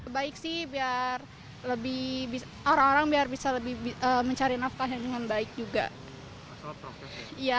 baik sih biar lebih bisa orang orang biar bisa lebih mencari nafkah yang baik juga ya